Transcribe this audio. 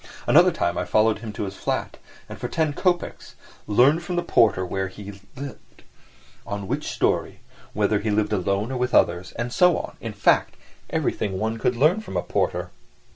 Another time I followed him to his flat, and for ten kopecks learned from the porter where he lived, on which storey, whether he lived alone or with others, and so on—in fact, everything one could learn from a porter.